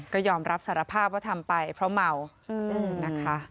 ก็ยอมรับสารภาพว่าทำไปเพราะเมานะคะ